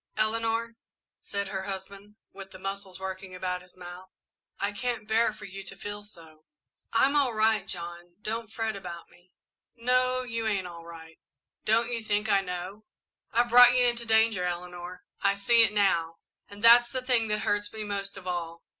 "Eleanor," said her husband, with the muscles working about his mouth, "I can't bear for you to feel so." "I I'm all right, John. Don't fret about me." "No, you ain't all right don't you think I know? I've brought you into danger, Eleanor I see it now, and that's the thing that hurts me most of all.